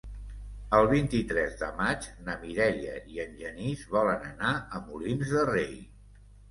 El vint-i-tres de maig na Mireia i en Genís volen anar a Molins de Rei.